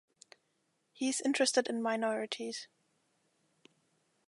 He is interested in minorities.